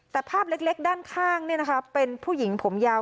แต่ภาพเล็กด้านข้างเนี่ยนะคะเป็นผู้หญิงผมยาว